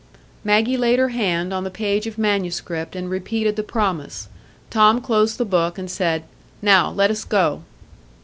Maggie laid her hand on the page of manuscript and repeated the promise. Tom closed the book, and said, "Now let us go."